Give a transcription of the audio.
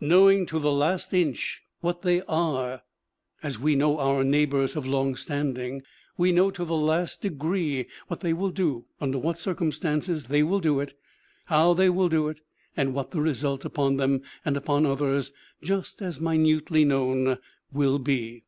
Knowing to the last inch what they are (as MARGARET DELAND 81 we know our neighbors of long standing) we know to the last degree what they will do, under what cir cumstances they will do it, how they will do it and what the result upon them and upon others, just as minutely known, will be.